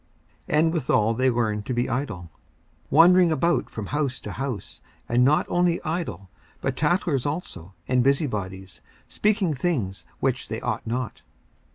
54:005:013 And withal they learn to be idle, wandering about from house to house; and not only idle, but tattlers also and busybodies, speaking things which they ought not.